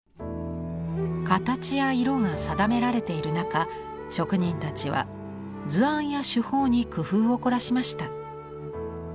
形や色が定められている中職人たちは図案や手法に工夫を凝らしました。